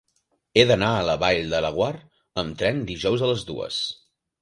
He d'anar a la Vall de Laguar amb tren dijous a les dues.